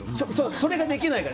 それができないから。